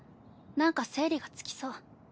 なんか整理がつきそう。